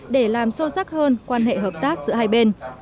để làm sâu sắc hơn quan hệ hợp tác giữa hai bên